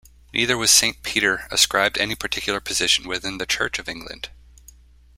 Neither was Saint Peter ascribed any particular position within the Church of England.